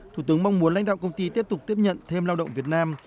thủ tướng mong muốn lãnh đạo công ty tiếp tục tiếp nhận thêm lao động việt nam